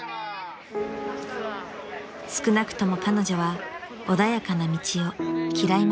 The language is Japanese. ［少なくとも彼女は穏やかな道を嫌いました］